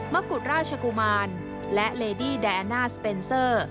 กุฎราชกุมารและเลดี้แดน่าสเปนเซอร์